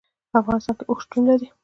په افغانستان کې اوښ شتون لري.